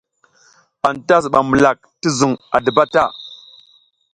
Anta zuɓam mulak ti zuƞ a diba ta.